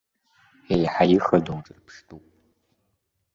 Еиҳа ихадоу ҿырԥштәуп.